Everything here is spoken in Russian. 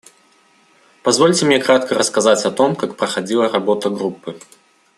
Позвольте мне кратко рассказать о том, как проходила работа Группы.